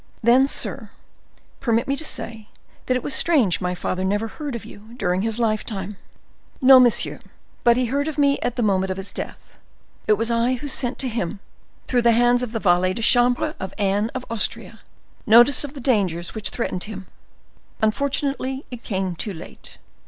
"Then, sir, permit me to say that it was strange my father never heard of you during his lifetime." "No, monsieur, but he heard of me at the moment of his death: it was I who sent to him, through the hands of the valet de chambre of Anne of Austria, notice of the dangers which threatened him; unfortunately, it came too late."